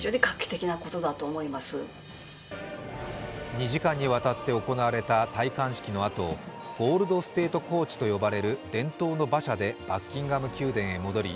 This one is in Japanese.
２時間にわたって行われた戴冠式のあと、ゴールド・ステート・コーチと呼ばれる伝統の馬車でバッキンガム宮殿へ戻り